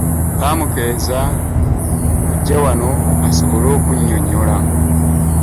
Bamukeeza kujja wano asobole okunyonyola